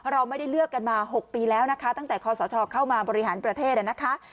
เราไม่ได้เลือกกันมา๖ปีแล้วนะคะตั้งแต่คอสชเข้ามาบริหารประเทศนะคะ